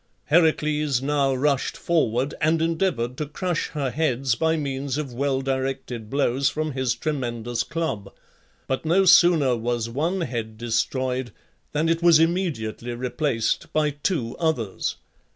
Heracles now rushed forward and endeavoured to crush her heads by means of well directed blows from his tremendous club; but no sooner was one head destroyed than it was immediately replaced by two others.